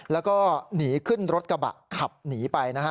แล้วก็หนีขึ้นรถกระบะขับหนีไปนะฮะ